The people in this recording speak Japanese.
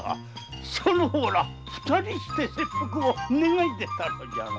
その方ら二人して切腹を願い出たのだな。